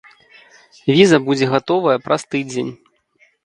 Віза будзе гатовая праз тыдзень.